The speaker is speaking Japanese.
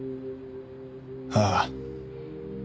ああ。